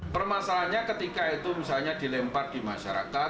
permasalahannya ketika itu misalnya dilempar di masyarakat